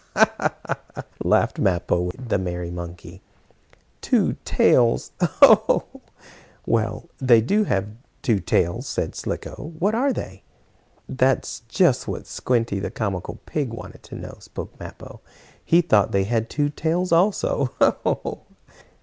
"Ha! Ha! Ha!" laughed Mappo, the merry monkey. "Two tails! Ho! Ho!" "Well, they do have two tails," said Slicko. "What are they?" "That's just what Squinty, the comical pig, wanted to know," spoke Mappo. "He thought they had two tails also. Ha! Ha!"